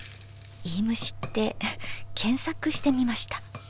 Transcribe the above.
いいむしって検索してみました。